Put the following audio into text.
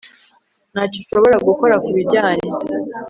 Ntacyo ushobora gukora kubijyanye